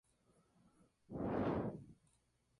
Sin embargo en el plano personal no fue un buen año para Aitor.